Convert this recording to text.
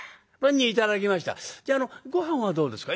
「じゃああのごはんはどうですか？」。